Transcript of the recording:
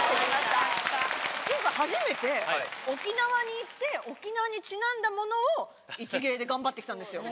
今回初めて沖縄に行って沖縄にちなんだものを一芸で頑張ってきたんですよ